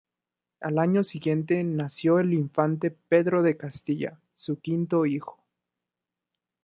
Al año siguiente nació el infante Pedro de Castilla, su quinto hijo.